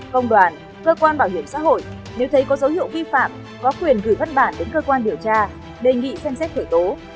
công đoàn cơ quan bảo hiểm xã hội nếu thấy có dấu hiệu vi phạm có quyền gửi văn bản đến cơ quan điều tra đề nghị xem xét khởi tố